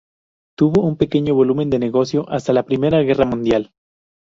Tuvo un pequeño volumen de negocio hasta la Primera Guerra Mundial.